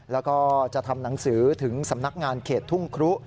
แล้วก็จะทำหนังสือถึงสำนักงานเขตทุ่งครุ